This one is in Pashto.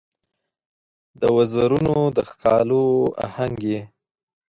د وزرونو د ښکالو آهنګ یې